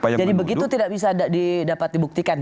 jadi begitu tidak bisa dapat dibuktikan